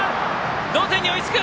同点に追いつく！